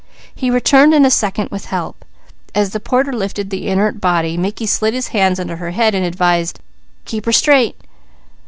He returned in a second with help. As the porter lifted the inert body, Mickey slid his hands under her head, and advised: "Keep her straight!"